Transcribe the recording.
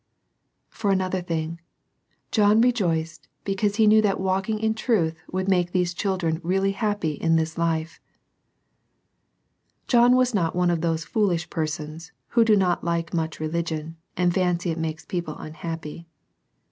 3. For another thing, John rejoiced became he knew that walkim in truth wotUd make these children really happy in this life, John was not one of those foolish persons who do not like much religion, and fancy it makes people unhappy.